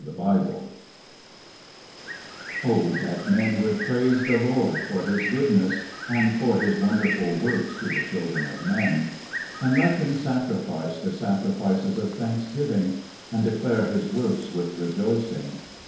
19:107:021 Oh that men would praise the LORD for his goodness, and for his wonderful works to the children of men! 19:107:022 And let them sacrifice the sacrifices of thanksgiving, and declare his works with rejoicing.